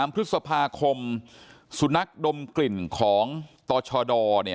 พฤษภาคมสุนัขดมกลิ่นของตชด